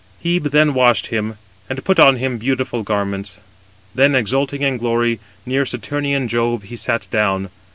Hebe then washed him, and put on him beautiful garments. Then, exulting in glory, near Saturnian Jove he sat down.